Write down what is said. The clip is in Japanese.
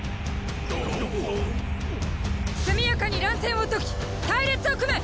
⁉速やかに乱戦を解き隊列を組め！